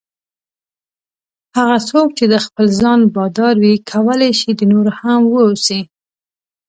هغه څوک چې د خپل ځان بادار وي کولای شي د نورو هم واوسي.